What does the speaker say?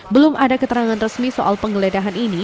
belum ada keterangan resmi soal penggeledahan ini